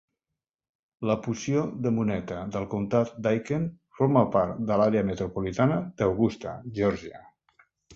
La porció de Monetta del comtat d'Aiken forma part de l'àrea metropolitana d'Augusta, Geòrgia.